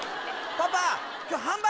パパ。